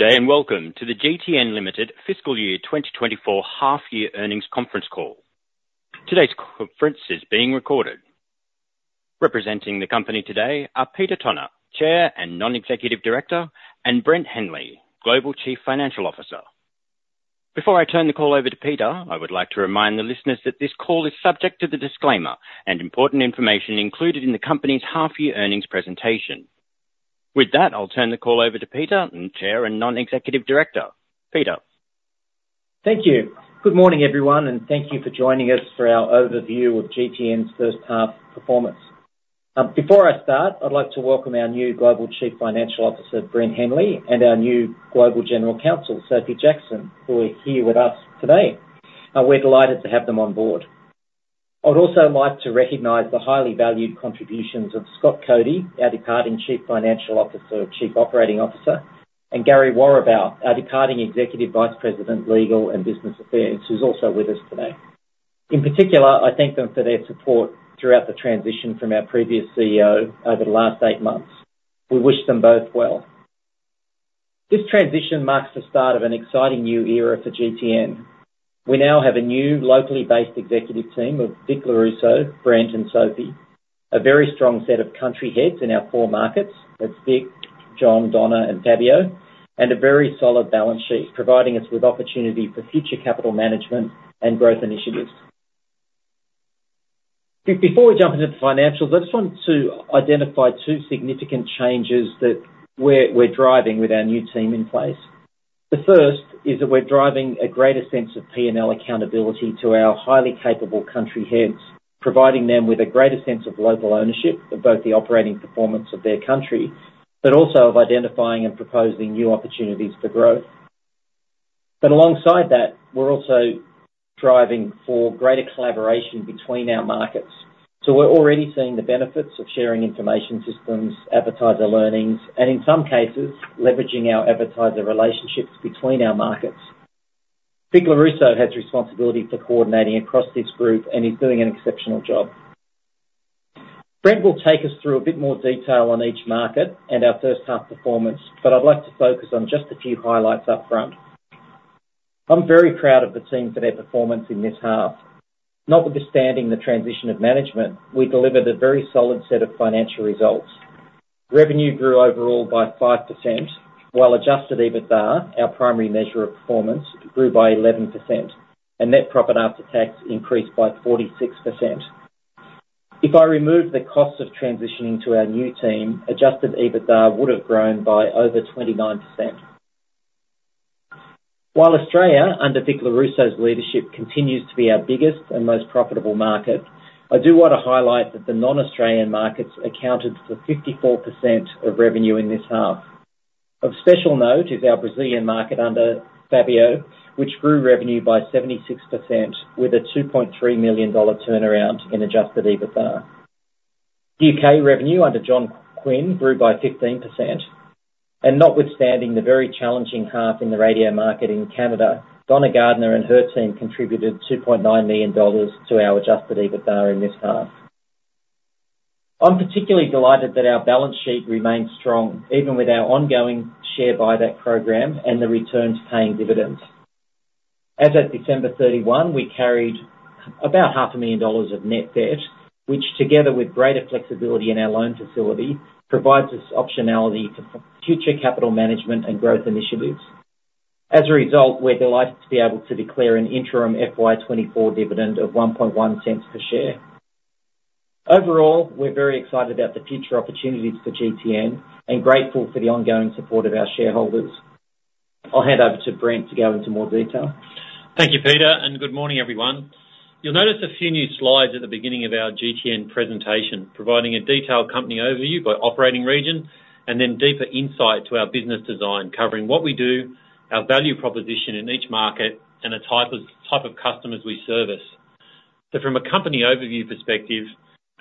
ood day and welcome to the GTN Limited fiscal year 2024 half-year earnings conference call. Today's conference is being recorded. Representing the company today are Peter Tonagh, Chair and NED, and Brent Henley, Global Chief Financial Officer. Before I turn the call over to Peter, I would like to remind the listeners that this call is subject to the disclaimer and important information included in the company's half-year earnings presentation. With that, I'll turn the call over to Peter, Chair and NED. Peter. Thank you. Good morning, everyone, and thank you for joining us for our overview of GTN's first-half performance. Before I start, I'd like to welcome our new Global Chief Financial Officer, Brent Henley, and our new Global General Counsel, Sophie Jackson, who are here with us today. We're delighted to have them on board. I'd also like to recognize the highly valued contributions of Scott Cody, our departing Chief Financial Officer or Chief Operating Officer, and Gary Worobow, our departing Executive Vice President, Legal and Business Affairs, who's also with us today. In particular, I thank them for their support throughout the transition from our previous CEO over the last eight months. We wish them both well. This transition marks the start of an exciting new era for GTN. We now have a new locally-based executive team of Vic Lorusso, Brent, and Sophie, a very strong set of country heads in our four markets, that's Vic, John, Donna, and Fabio, and a very solid balance sheet, providing us with opportunity for future capital management and growth initiatives. Before we jump into the financials, I just want to identify two significant changes that we're driving with our new team in place. The first is that we're driving a greater sense of P&L accountability to our highly capable country heads, providing them with a greater sense of local ownership of both the operating performance of their country but also of identifying and proposing new opportunities for growth. But alongside that, we're also driving for greater collaboration between our markets. So we're already seeing the benefits of sharing information systems, advertiser learnings, and in some cases, leveraging our advertiser relationships between our markets. Vic Lorusso has responsibility for coordinating across this group and is doing an exceptional job. Brent will take us through a bit more detail on each market and our first-half performance, but I'd like to focus on just a few highlights upfront. I'm very proud of the team for their performance in this half. Notwithstanding the transition of management, we delivered a very solid set of financial results. Revenue grew overall by 5%, while adjusted EBITDA, our primary measure of performance, grew by 11%, and net profit after tax increased by 46%. If I removed the costs of transitioning to our new team, adjusted EBITDA would have grown by over 29%. While Australia, under Vic Lorusso's leadership, continues to be our biggest and most profitable market, I do want to highlight that the non-Australian markets accounted for 54% of revenue in this half. Of special note is our Brazilian market under Fabio, which grew revenue by 76% with an 2.3 million dollar turnaround in Adjusted EBITDA. UK revenue under John Quinn grew by 15%. Notwithstanding the very challenging half in the radio market in Canada, Donna Gardner and her team contributed 2.9 million dollars to our Adjusted EBITDA in this half. I'm particularly delighted that our balance sheet remained strong even with our ongoing share buyback program and the returns paying dividends. As of December 31, 2023, we carried about 500,000 dollars of net debt, which together with greater flexibility in our loan facility provides us optionality for future capital management and growth initiatives. As a result, we're delighted to be able to declare an interim FY24 dividend of 0.011 per share. Overall, we're very excited about the future opportunities for GTN and grateful for the ongoing support of our shareholders. I'll hand over to Brent to go into more detail. Thank you, Peter, and good morning, everyone. You'll notice a few new slides at the beginning of our GTN presentation providing a detailed company overview by operating region and then deeper insight to our business design, covering what we do, our value proposition in each market, and the type of customers we service. So from a company overview perspective,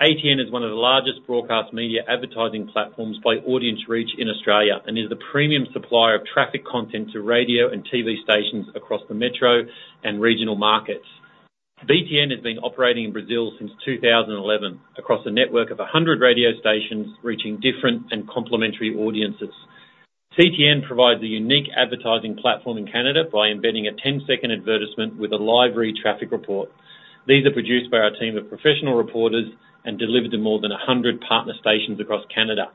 ATN is one of the largest broadcast media advertising platforms by audience reach in Australia and is the premium supplier of traffic content to radio and TV stations across the metro and regional markets. BTN has been operating in Brazil since 2011 across a network of 100 radio stations reaching different and complementary audiences. CTN provides a unique advertising platform in Canada by embedding a 10-second advertisement with a live read traffic report. These are produced by our team of professional reporters and delivered to more than 100 partner stations across Canada.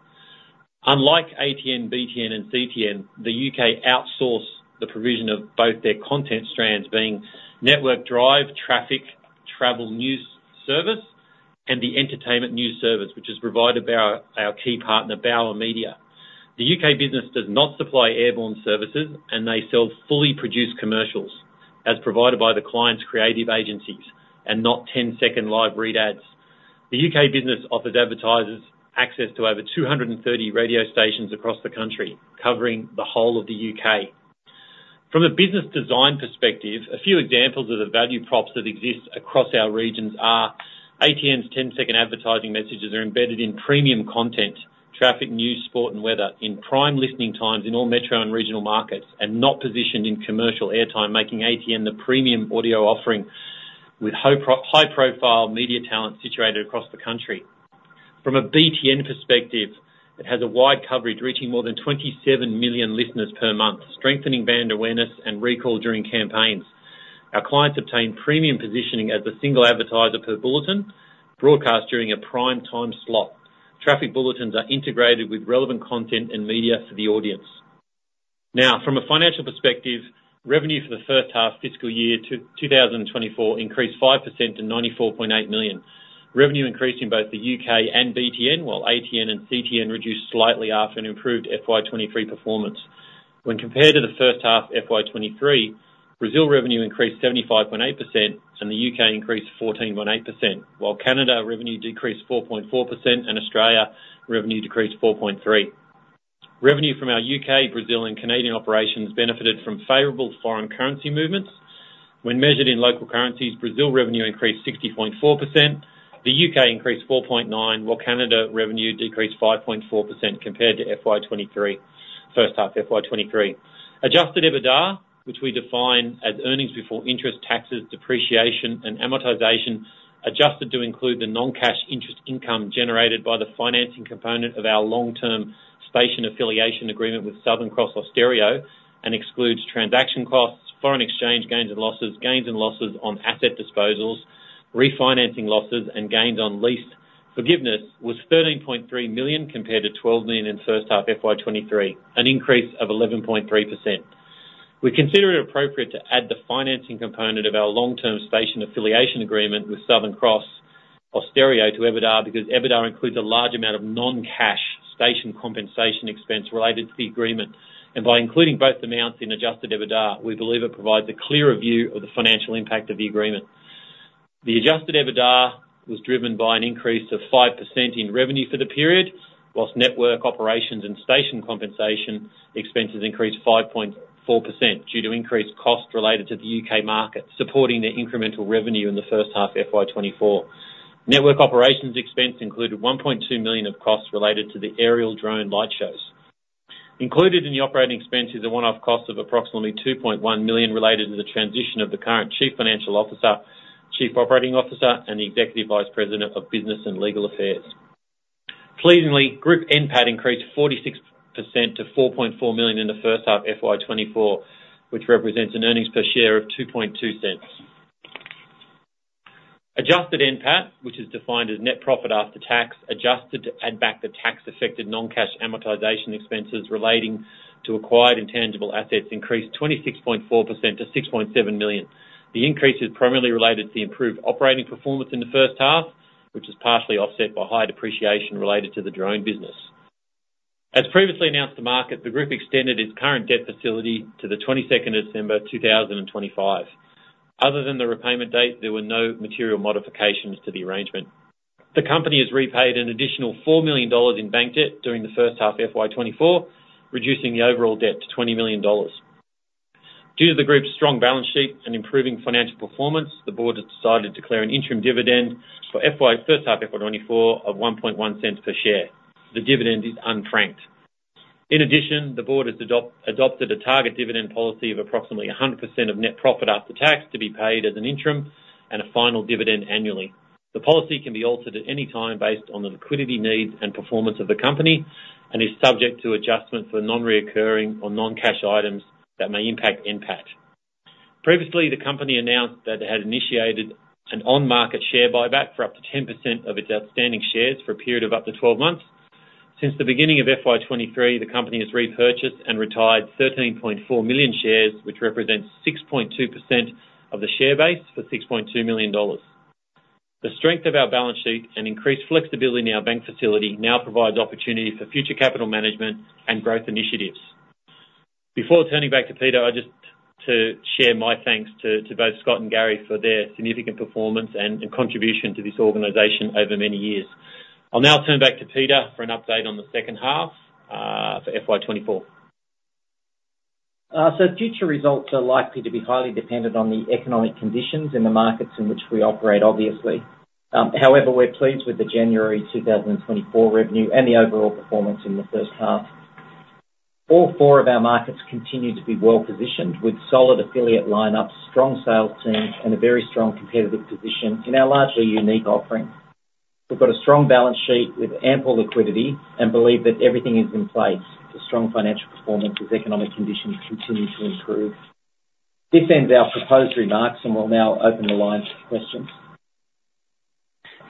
Unlike ATN, BTN, and CTN, the UK outsources the provision of both their content strands being network drive traffic travel news service and the entertainment news service, which is provided by our key partner, Bauer Media. The UK business does not supply airborne services, and they sell fully produced commercials as provided by the client's creative agencies and not 10-second live read ads. The UK business offers advertisers access to over 230 radio stations across the country, covering the whole of the UK. From a business design perspective, a few examples of the value props that exist across our regions are ATN's 10-second advertising messages are embedded in premium content: traffic, news, sport, and weather in prime listening times in all metro and regional markets and not positioned in commercial airtime, making ATN the premium audio offering with high-profile media talent situated across the country. From a BTN perspective, it has a wide coverage reaching more than 27 million listeners per month, strengthening brand awareness and recall during campaigns. Our clients obtain premium positioning as a single advertiser per bulletin broadcast during a prime-time slot. Traffic bulletins are integrated with relevant content and media for the audience. Now, from a financial perspective, revenue for the first-half fiscal year 2024 increased 5% to 94.8 million. Revenue increased in both the UK and BTN, while ATN and CTN reduced slightly after an improved FY23 performance. When compared to the first-half FY23, Brazil revenue increased 75.8% and the UK increased 14.8%, while Canada revenue decreased 4.4% and Australia revenue decreased 4.3%. Revenue from our UK, Brazil, and Canadian operations benefited from favorable foreign currency movements. When measured in local currencies, Brazil revenue increased 60.4%. The UK increased 4.9%, while Canada revenue decreased 5.4% compared to FY23, first-half FY23. Adjusted EBITDA, which we define as earnings before interest, taxes, depreciation, and amortization, adjusted to include the non-cash interest income generated by the financing component of our long-term station affiliation agreement with Southern Cross Austereo and excludes transaction costs, foreign exchange gains and losses, gains and losses on asset disposals, refinancing losses, and gains on lease forgiveness was 13.3 million compared to 12 million in first-half FY23, an increase of 11.3%. We consider it appropriate to add the financing component of our long-term station affiliation agreement with Southern Cross Austereo to EBITDA because EBITDA includes a large amount of non-cash station compensation expense related to the agreement. By including both amounts in adjusted EBITDA, we believe it provides a clearer view of the financial impact of the agreement. The adjusted EBITDA was driven by an increase of 5% in revenue for the period, while network operations and station compensation expenses increased 5.4% due to increased costs related to the UK market, supporting the incremental revenue in the first-half FY24. Network operations expense included 1.2 million of costs related to the aerial drone light shows. Included in the operating expenses are one-off costs of approximately 2.1 million related to the transition of the current Chief Financial Officer, Chief Operating Officer, and the Executive Vice President of Business and Legal Affairs. Pleasingly, Group NPAT increased 46% to 4.4 million in the first-half FY24, which represents an earnings per share of 0.022. Adjusted NPAT, which is defined as net profit after tax adjusted to add back the tax-affected non-cash amortization expenses relating to acquired intangible assets, increased 26.4% to 6.7 million. The increase is primarily related to the improved operating performance in the first-half, which is partially offset by high depreciation related to the drone business. As previously announced to market, the group extended its current debt facility to the 22nd of December 2025. Other than the repayment date, there were no material modifications to the arrangement. The company has repaid an additional 4 million dollars in bank debt during the first-half FY24, reducing the overall debt to 20 million dollars. Due to the group's strong balance sheet and improving financial performance, the board has decided to declare an interim dividend for first-half FY24 of 0.011 per share. The dividend is unfranked. In addition, the board has adopted a target dividend policy of approximately 100% of net profit after tax to be paid as an interim and a final dividend annually. The policy can be altered at any time based on the liquidity needs and performance of the company and is subject to adjustment for non-recurring or non-cash items that may impact NPAT. Previously, the company announced that it had initiated an on-market share buyback for up to 10% of its outstanding shares for a period of up to 12 months. Since the beginning of FY23, the company has repurchased and retired 13.4 million shares, which represents 6.2% of the share base for 6.2 million dollars. The strength of our balance sheet and increased flexibility in our bank facility now provides opportunity for future capital management and growth initiatives. Before turning back to Peter, I'd just like to share my thanks to both Scott and Gary for their significant performance and contribution to this organization over many years. I'll now turn back to Peter for an update on the second-half for FY24. Future results are likely to be highly dependent on the economic conditions in the markets in which we operate, obviously. However, we're pleased with the January 2024 revenue and the overall performance in the first half. All four of our markets continue to be well-positioned with solid affiliate lineups, strong sales teams, and a very strong competitive position in our largely unique offering. We've got a strong balance sheet with ample liquidity and believe that everything is in place for strong financial performance as economic conditions continue to improve. This ends our proposed remarks, and we'll now open the line for questions.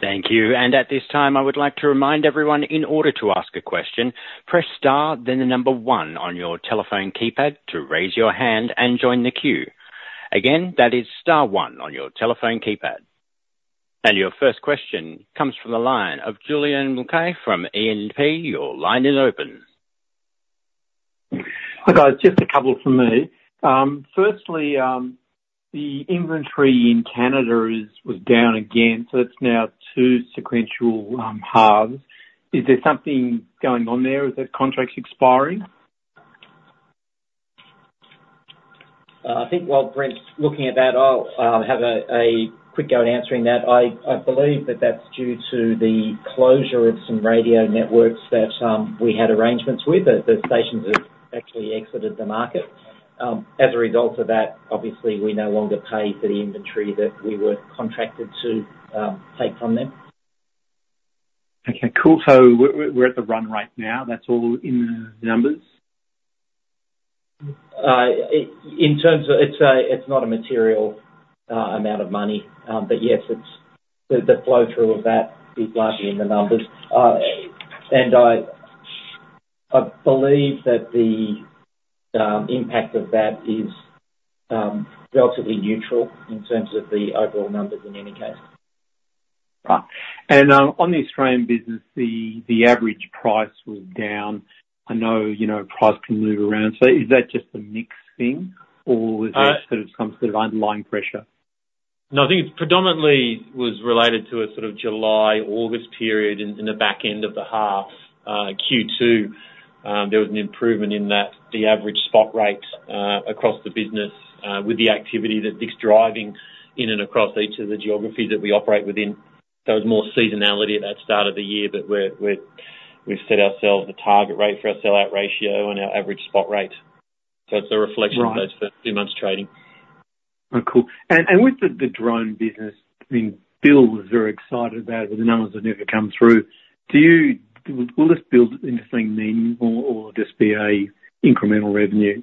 Thank you. At this time, I would like to remind everyone, in order to ask a question, press star, then the number one on your telephone keypad to raise your hand and join the queue. Again, that is star one on your telephone keypad. Your first question comes from the line of Julian Mulcahy from E&P. Your line is open. Hi guys. Just a couple from me. Firstly, the inventory in Canada was down again, so it's now two sequential halves. Is there something going on there? Is that contract expiring? I think, while Brent's looking at that, I'll have a quick go at answering that. I believe that that's due to the closure of some radio networks that we had arrangements with. The stations have actually exited the market. As a result of that, obviously, we no longer pay for the inventory that we were contracted to take from them. Okay. Cool. So we're at the run rate now. That's all in the numbers? In terms of it's not a material amount of money, but yes, the flow-through of that is largely in the numbers. I believe that the impact of that is relatively neutral in terms of the overall numbers in any case. Right. On the Australian business, the average price was down. I know price can move around. So is that just a mixed thing, or was there sort of some sort of underlying pressure? No, I think it predominantly was related to a sort of July, August period in the back end of the half, Q2. There was an improvement in the average spot rate across the business with the activity that Vic's driving in and across each of the geographies that we operate within. There was more seasonality at that start of the year, but we've set ourselves a target rate for our sell-out ratio and our average spot rate. So it's a reflection of those first few months trading. Right. Cool. And with the drone business, I mean, Bill was very excited about it, but the numbers have never come through. Will this build into something meaningful, or will it just be incremental revenue?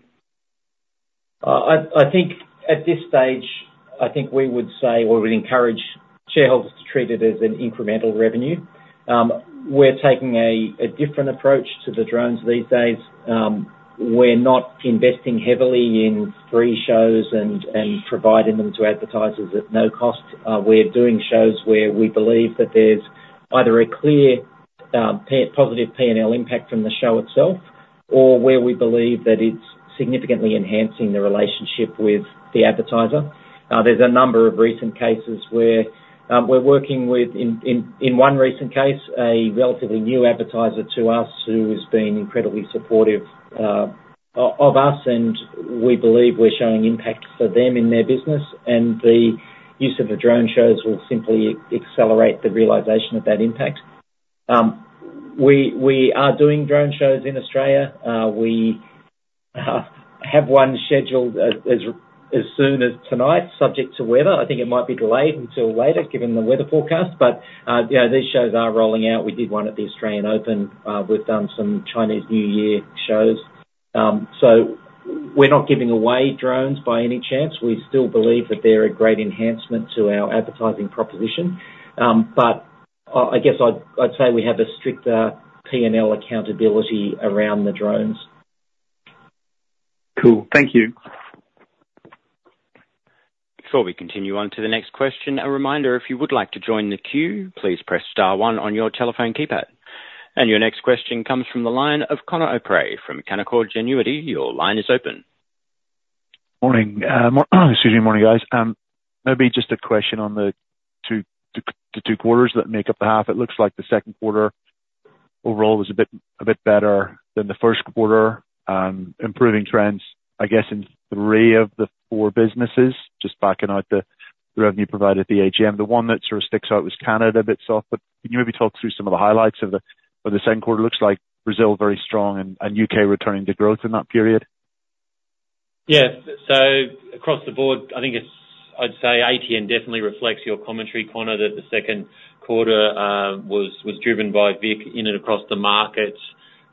I think at this stage, I think we would say or would encourage shareholders to treat it as an incremental revenue. We're taking a different approach to the drones these days. We're not investing heavily in free shows and providing them to advertisers at no cost. We're doing shows where we believe that there's either a clear positive P&L impact from the show itself or where we believe that it's significantly enhancing the relationship with the advertiser. There's a number of recent cases where we're working with, in one recent case, a relatively new advertiser to us who has been incredibly supportive of us, and we believe we're showing impact for them in their business. And the use of the drone shows will simply accelerate the realization of that impact. We are doing drone shows in Australia. We have one scheduled as soon as tonight, subject to weather. I think it might be delayed until later given the weather forecast. But these shows are rolling out. We did one at the Australian Open. We've done some Chinese New Year shows. So we're not giving away drones by any chance. We still believe that they're a great enhancement to our advertising proposition. But I guess I'd say we have a stricter P&L accountability around the drones. Cool. Thank you. Before we continue on to the next question, a reminder, if you would like to join the queue, please press star one on your telephone keypad. Your next question comes from the line of Conor O'Prey from Canaccord Genuity. Your line is open. Morning. Excuse me. Morning, guys. Maybe just a question on the two quarters that make up the half. It looks like the second quarter overall was a bit better than the first quarter, improving trends, I guess, in three of the four businesses, just backing out the revenue provided at the AGM. The one that sort of sticks out was Canada a bit soft. But can you maybe talk through some of the highlights of the second quarter? It looks like Brazil very strong and UK returning to growth in that period. Yeah. So across the board, I think I'd say ATN definitely reflects your commentary, Connor, that the second quarter was driven by Vic in and across the markets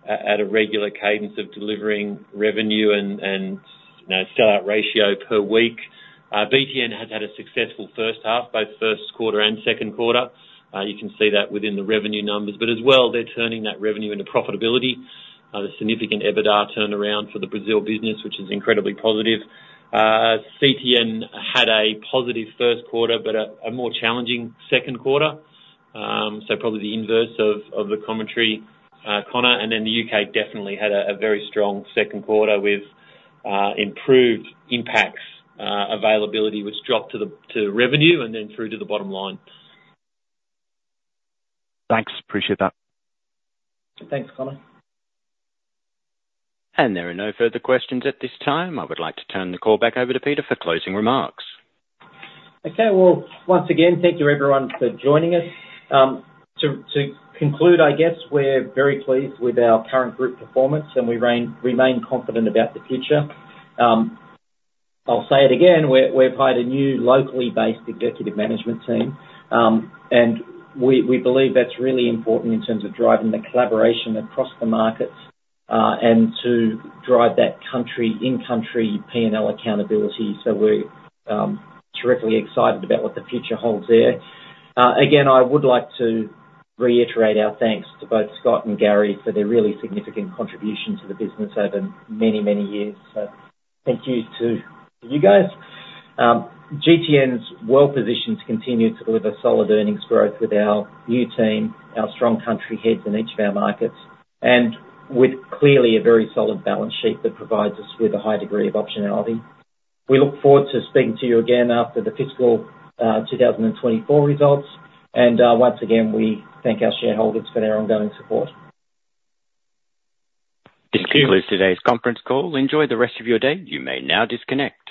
at a regular cadence of delivering revenue and sell-out ratio per week. BTN has had a successful first half, both first quarter and second quarter. You can see that within the revenue numbers. But as well, they're turning that revenue into profitability. There's significant EBITDA turnaround for the Brazil business, which is incredibly positive. CTN had a positive first quarter but a more challenging second quarter, so probably the inverse of the commentary, Connor. And then the UK definitely had a very strong second quarter with improved impacts availability, which dropped to revenue and then through to the bottom line. Thanks. Appreciate that. Thanks, Connor. There are no further questions at this time. I would like to turn the call back over to Peter for closing remarks. Okay. Well, once again, thank you, everyone, for joining us. To conclude, I guess, we're very pleased with our current group performance, and we remain confident about the future. I'll say it again. We've hired a new locally-based executive management team, and we believe that's really important in terms of driving the collaboration across the markets and to drive that in-country P&L accountability. So we're terrifically excited about what the future holds there. Again, I would like to reiterate our thanks to both Scott and Gary for their really significant contribution to the business over many, many years. So thank you to you guys. GTN's well-positioned to continue to deliver solid earnings growth with our new team, our strong country heads in each of our markets, and with clearly a very solid balance sheet that provides us with a high degree of optionality. We look forward to speaking to you again after the fiscal 2024 results. Once again, we thank our shareholders for their ongoing support. This concludes today's conference call. Enjoy the rest of your day. You may now disconnect.